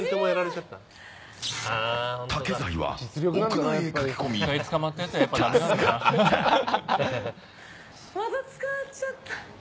また捕まっちゃった。